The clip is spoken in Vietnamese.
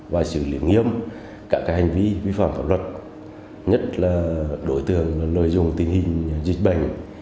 và xử lý nghiêm các hành vi vi phạm pháp luật nhất là đối tượng lợi dụng tình hình dịch bệnh